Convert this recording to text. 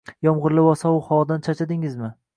Yomgʻirli va sovuq havodan charchadingizmi?